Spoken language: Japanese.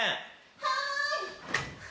・はい！